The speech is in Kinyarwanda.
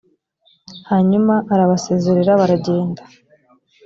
hanyuma arabasezerera baragenda,